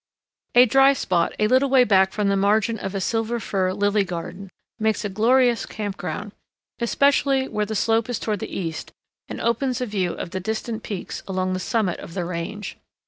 A dry spot a little way back from the margin of a Silver Fir lily garden makes a glorious campground, especially where the slope is toward the east and opens a view of the distant peaks along the summit of the range.